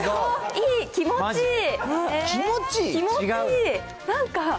いい、気持ちいい？